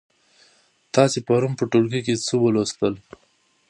تاسې پرون په ټولګي کې څه ولوستل؟